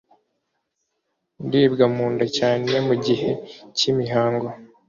Ndibwa munda cyane mu gihe cy'imihango